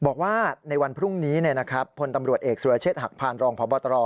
บอกว่าในวันพรุ่งนี้พลตำรวจเอกสุรเชษฐหักพานรองพบตร